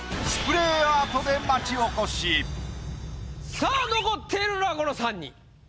さぁ残っているのはこの３人。